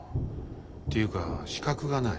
っていうか資格がない。